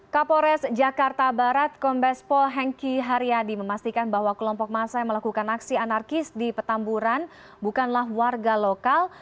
kapolres jakarta barat kombes pol hengki haryadi memastikan bahwa kelompok masa yang melakukan aksi anarkis di petamburan bukanlah warga lokal